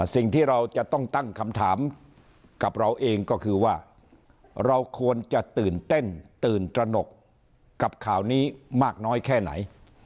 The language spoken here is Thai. สิ่งที่เราจะต้องตั้งคำถามกับเราเองก็คือว่าเราควรจะตื่นเต้นตื่นตระหนกกับข่าวนี้มากน้อยแค่ไหน